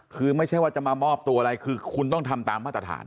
คือไม่ใช่ว่าจะมามอบตัวอะไรคือคุณต้องทำตามมาตรฐาน